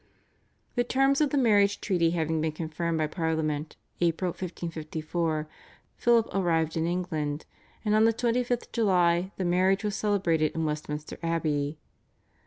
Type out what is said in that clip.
The terms of the marriage treaty having been confirmed by Parliament (April 1554) Philip arrived in England, and on the 25th July the marriage was celebrated in Westminster Abbey.